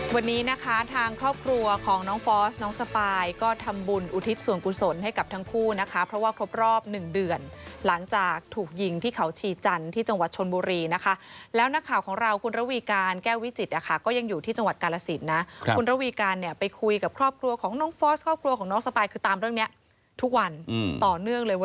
วันนี้นะคะทางครอบครัวของน้องฟอสน้องสปายก็ทำบุญอุทิศส่วนกุศลให้กับทั้งคู่นะคะเพราะว่าครบรอบหนึ่งเดือนหลังจากถูกยิงที่เขาชีจันทร์ที่จังหวัดชนบุรีนะคะแล้วนักข่าวของเราคุณระวีการแก้ววิจิตนะคะก็ยังอยู่ที่จังหวัดกาลสินนะคุณระวีการเนี่ยไปคุยกับครอบครัวของน้องฟอสครอบครัวของน้องสปายคือตามเรื่องนี้ทุกวันต่อเนื่องเลยว